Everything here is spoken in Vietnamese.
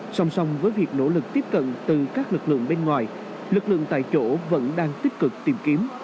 song song với việc nỗ lực tiếp cận từ các lực lượng bên ngoài lực lượng tại chỗ vẫn đang tích cực tìm kiếm